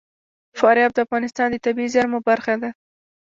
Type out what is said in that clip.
فاریاب د افغانستان د طبیعي زیرمو برخه ده.